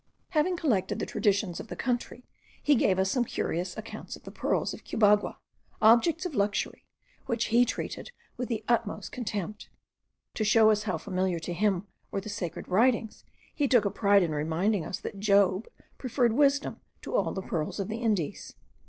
Having collected the traditions of the country, he gave us some curious accounts of the pearls of Cubagua, objects of luxury, which he treated with the utmost contempt. To show us how familiar to him were the sacred writings he took a pride in reminding us that Job preferred wisdom to all the pearls of the Indies.